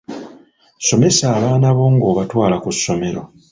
Somesa abaana bo ng'obatwala ku ssomero